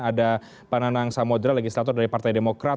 ada pananang samodera legislator dari partai demokrat